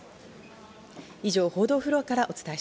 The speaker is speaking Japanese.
以上、報道フロアからお伝え